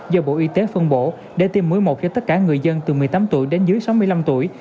do bộ y tế phân bổ để tiêm muối một cho tất cả người dân từ một mươi tám tuổi đến dưới sáu mươi năm tuổi